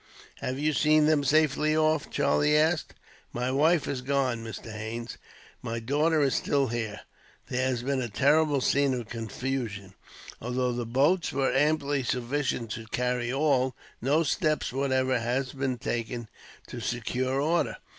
"Have you seen them safely off?" Charlie asked. "My wife has gone," Mr. Haines said. "My daughter is still here. There has been a horrible scene of confusion. Although the boats were amply sufficient to carry all, no steps whatever had been taken to secure order.